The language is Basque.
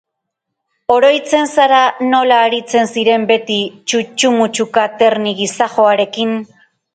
Oroitzen zara nola aritzen ziren beti txutxu-mutxuka Terni gizajoarekin?